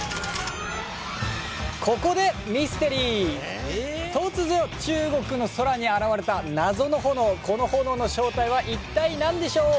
ここでミステリー突如中国の空に現れた謎の炎この炎の正体は一体何でしょう